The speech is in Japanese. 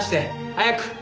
早く！